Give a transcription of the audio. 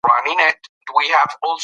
تاريخ تېر مهال په دقت سره څېړي.